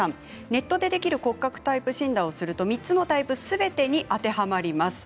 ネットでできる骨格タイプを診断すると３つのタイプすべて当てはまります。